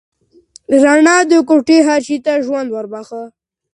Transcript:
رڼا د کوټې هر شی ته ژوند ور وباښه.